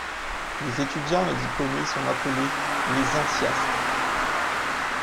Les étudiants et diplômés sont appelés les Ensiastes.